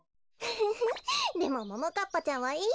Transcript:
フフフでもももかっぱちゃんはいいよね。